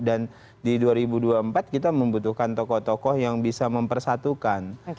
dan di dua ribu dua puluh empat kita membutuhkan tokoh tokoh yang bisa mempersatukan